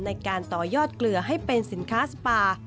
ในการต่อยอดเกลือให้เป็นสินค้าสปา